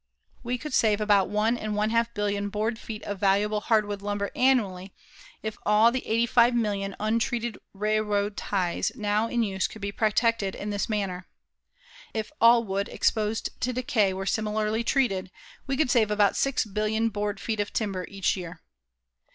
We could save about one and one half billion board feet of valuable hardwood lumber annually if all the 85,000,000 untreated railroad ties now in use could be protected in this manner. If all wood exposed to decay were similarly treated, we could save about six billion board feet of timber each year.